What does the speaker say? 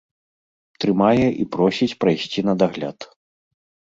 Трымае і просіць прайсці на дагляд.